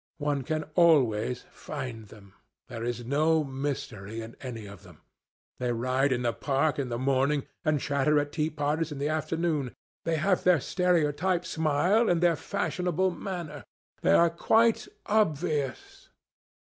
One can always find them. There is no mystery in any of them. They ride in the park in the morning and chatter at tea parties in the afternoon. They have their stereotyped smile and their fashionable manner. They are quite obvious.